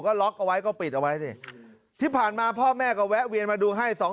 ก็ล็อกเอาไว้ก็ปิดเอาไว้สิที่ผ่านมาพ่อแม่ก็แวะเวียนมาดูให้